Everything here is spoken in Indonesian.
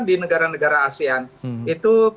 di negara negara asean itu